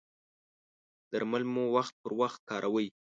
درمل مو وخت پر وخت کاروئ؟